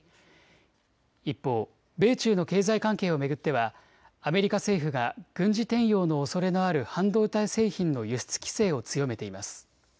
一方、米中の経済関係を巡ってはアメリカ政府が軍事転用のおそれのある半導体製品の輸出規制を強めています。